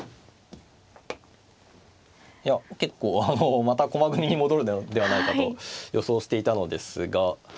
いや結構あのまた駒組みに戻るのではないかと予想していたのですが。